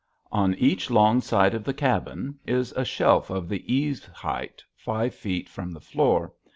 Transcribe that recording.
On each long side of the cabin is a shelf the eaves' height, five feet from the floor.